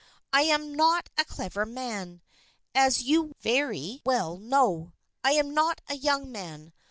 I am not a clever man, as you very well know. I am not a young man.